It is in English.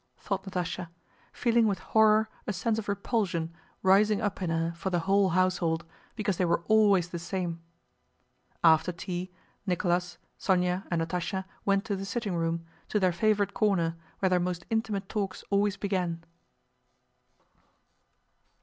thought Natásha, feeling with horror a sense of repulsion rising up in her for the whole household, because they were always the same. After tea, Nicholas, Sónya, and Natásha went to the sitting room, to their favorite corner where their most intimate talks always began.